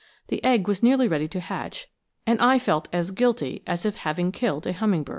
The egg was nearly ready to hatch, and I felt as guilty as if having killed a hummingbird.